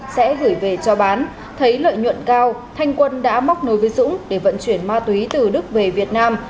sẽ gửi về cho bán thấy lợi nhuận cao thanh quân đã móc nối với dũng để vận chuyển ma túy từ đức về việt nam